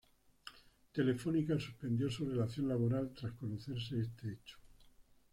Telefónica suspendió su relación laboral tras conocerse este hecho.